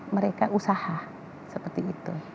mereka usaha seperti itu